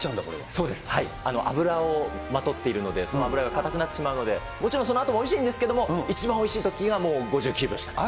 そうです、脂をまとっているので、その脂が硬くなってしまうので、もちろんそのあともおいしいんですけれども、一番おいしいときがもう５９秒しかない。